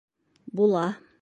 Була.